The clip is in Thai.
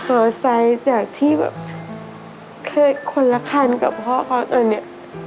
เอาไซด์จากที่แบบเคอร์อยดคอนละครกับพ่อเค้าตอนนี้